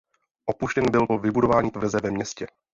Opuštěn byl po vybudování tvrze ve městě.